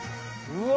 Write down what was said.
うわ！